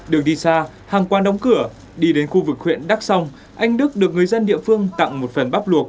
đường đi xa hàng qua đóng cửa đi đến khu vực huyện đắk song anh đức được người dân địa phương tặng một phần bóp luộc